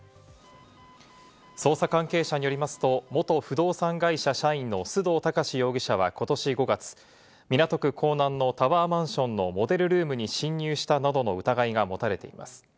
捜査関係者によりますと、元不動産会社社員の須藤高志容疑者はことし５月、港区港南のタワーマンションのモデルルームに侵入したなどの疑いが持たれています。